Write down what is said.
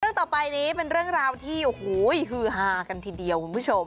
ต่อไปนี้เป็นเรื่องราวที่โอ้โหฮือฮากันทีเดียวคุณผู้ชม